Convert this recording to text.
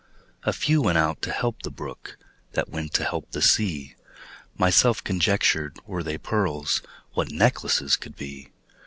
A few went out to help the brook, That went to help the sea. Myself conjectured, Were they pearls, What necklaces could be!